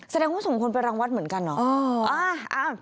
แสดงว่าส่งคนไปรังวัดเหมือนกันเหรอ